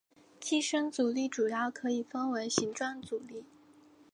寄生阻力主要可以分为形状阻力。